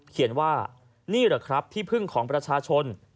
เขียนว่านี่เหรอครับที่พึ่งของประชาชน